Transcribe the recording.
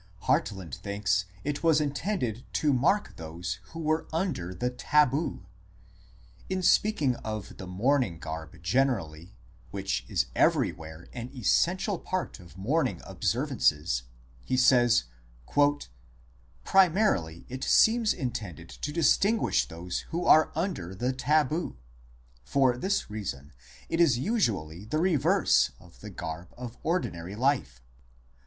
Hartland thinks it was intended to mark those who were under the tabu ; in speaking of the mourning garb gener ally, which is everywhere an essential part of mourning observances, he says :" Primarily it seems intended to distinguish those who are under the tabu. For this reason it is usually the reverse of the garb of ordinary life